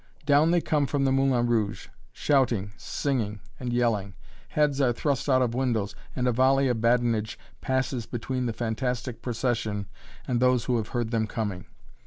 Down they come from the "Moulin Rouge," shouting, singing, and yelling. Heads are thrust out of windows, and a volley of badinage passes between the fantastic procession and those who have heard them coming.